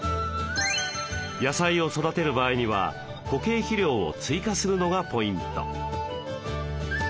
野菜を育てる場合には固形肥料を追加するのがポイント。